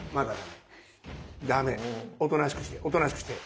おとなしくしておとなしくして。